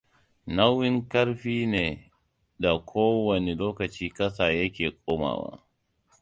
Nauyi ƙarfi ne da ko wane lokaci ƙasa ya ke komawa.